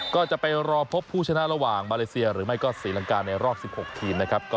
ก็จะไปรอพบผู้ชนะระหว่างมาเลเซียหรือไม่ก็ศรีลังกาในรอบ๑๖ทีมนะครับ